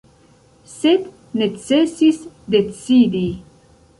Sed necesis decidi.